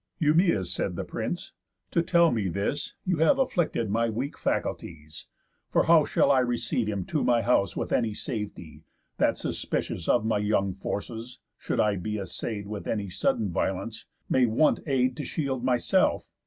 "Eumæus," said the prince, "to tell me this, You have afflicted my weak faculties; For how shall I receive him to my house With any safety, that suspicious Of my young forces (should I be assay'd With any sudden violence) may want aid To shield myself?